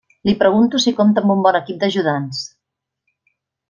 Li pregunto si compta amb un bon equip d'ajudants.